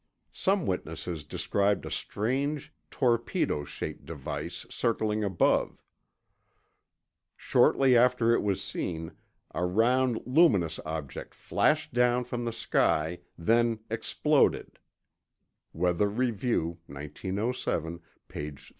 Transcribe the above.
Some witnesses described a strange, torpedo shaped device circling above. Shortly after it was seen, a round, luminous object flashed down from the sky, then exploded, (Weather Review, 1907, page 310.)